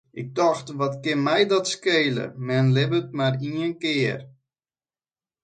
Ik tocht, wat kin my dat skele, men libbet mar ien kear.